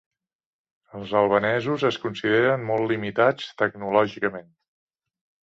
Els "albanesos" es consideren molt limitats tecnològicament.